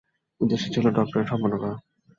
উদ্দেশ্য ছিল ডক্টরেট সম্পন্ন করা।